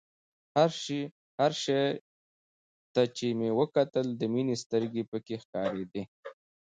هر شي ته چې مې کتل د مينې سترګې پکښې ښکارېدې.